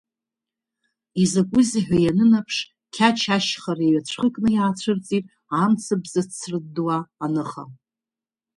Изакузеи ҳәа ианынаԥш, Қьач ашьхара, иҩацәхыкны иаацәырҵит амцабз ацрыддуа аныха…